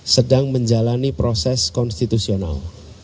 sedang menjalani proses konstitusional